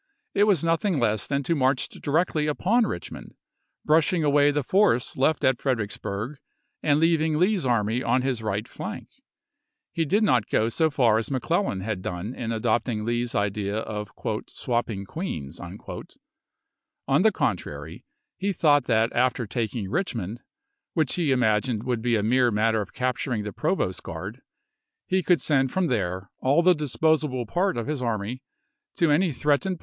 It was nothing less than to march directly upon Richmond, brush ing away the force left at Fredericksburg and leav ing Lee's army on his right flank. He did not go so far as McClellan had done in adopting Lee's idea of " swapping queens "; on the contrary, he thought that after taking Richmond, which he imagined would be a mere matter of capturing the provost guard, he could send from there all the dis posable part of his army to any threatened point THE INVASION OF PENNSYLVANIA 207 CH VIII, POSITIONS JUNE 12, 1863.